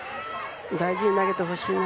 大事に投げてほしいな。